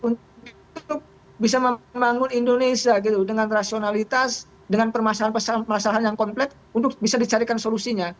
artinya saya melihat ada pikiran yang sama di antara ketiga capre itu untuk membangun indonesia dengan rasionalitas dengan permasalahan yang komplet untuk bisa dicarikan solusinya